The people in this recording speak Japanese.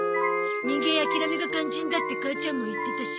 「人間諦めが肝心だ」って母ちゃんも言ってたし。